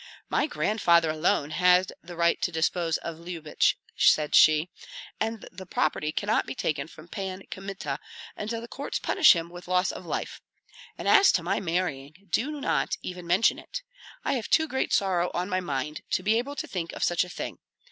"My grandfather alone had the right to dispose of Lyubich," said she, "and the property cannot be taken from Pan Kmita until the courts punish him with loss of life; and as to my marrying, do not even mention it. I have too great sorrow on my mind to be able to think of such a thing.